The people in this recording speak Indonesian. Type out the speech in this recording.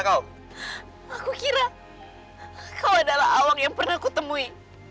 kaulah jodohku yang selama ini aku cari